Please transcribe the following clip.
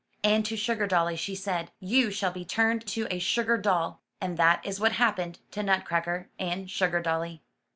And to Sugar dolly she said, "You shall be turned to a sugar doll." And that is what happened to Nutcracker and Sugardolly.